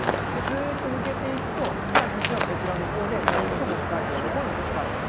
ずっと抜けていくと実はこちらの方でもう一度、北海道の方に近づく。